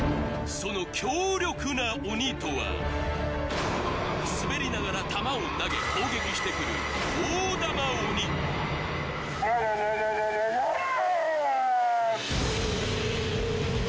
その強力な鬼とは滑りながら玉を投げ攻撃してくる大玉鬼ワワワワワワワァ！